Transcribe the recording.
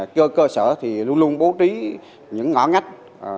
trên cơ sở thì luôn luôn bố trí những ngõ ngách